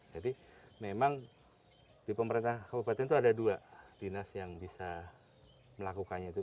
jadi memang di pemerintah kabupaten itu ada dua dinas yang bisa melakukannya itu